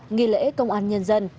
nghi lễ công an nhân dân